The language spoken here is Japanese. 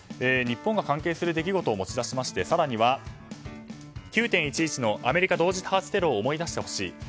日本が関係する出来事を持ち出しまして更には、９・１１のアメリカ同時多発テロを思い出してほしい。